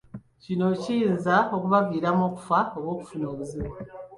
Kino kiyinza okubaviiramu okufa oba okufuna obuzibu.